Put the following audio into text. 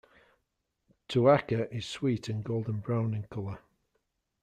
Tuaca is sweet and golden brown in color.